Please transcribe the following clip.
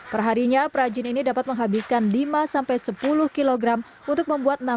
perharinya perrajin ini dapat menghabiskan lima sampai sepuluh kilogram